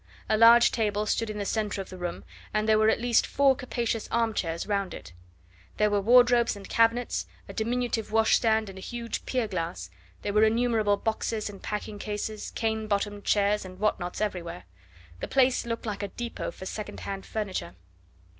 A large table stood in the centre of the room, and there were at least four capacious armchairs round it. There were wardrobes and cabinets, a diminutive washstand and a huge pier glass, there were innumerable boxes and packing cases, cane bottomed chairs and what nots every where. The place looked like a depot for second hand furniture.